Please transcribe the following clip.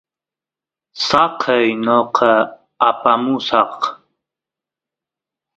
saqey noqa apamusaq